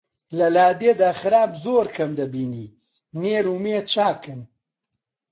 لە لادێدا خراب زۆر کەم دەبینی نێر و مێ چاکن